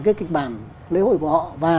cái kịch bản lễ hội của họ và